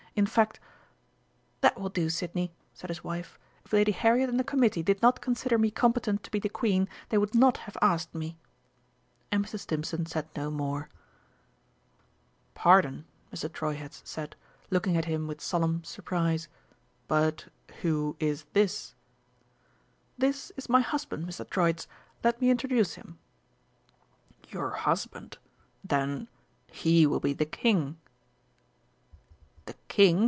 In fact " "That will do, Sidney," said his wife; "if Lady Harriet and the Committee did not consider me competent to be the Queen they would not have asked me." And Mr. Stimpson said no more. "Pardon," Mr. Treuherz said, looking at him with solemn surprise, "but who is this?" "This is my husband, Mr. Troitz let me introduce him." "Your husband. Then, he will be the King!" "The King?"